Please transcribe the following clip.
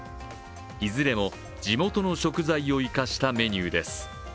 いずれも地元の食材を生かしたメニューです。